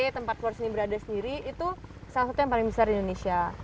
tempat force ini berada sendiri itu salah satu yang paling besar di indonesia